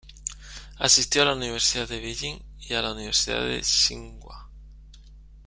Asistió a la Universidad de Beijing y a la Universidad de Tsinghua.